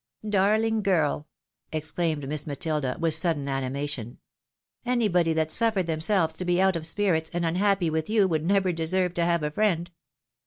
" Darling girl !" exclaimed Miss Matilda, with sudden ani mation. " Anybody that suffered themselves to be out of spirits and unhappy with you would never deserve to have a friend.